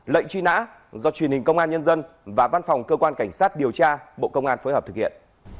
lệnh truy nã do truyền hình công an nhân dân và văn phòng cơ quan cảnh sát điều tra bộ công an phối hợp thực hiện